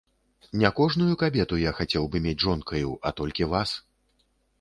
Не кожную кабету я хацеў бы мець жонкаю, а толькі вас.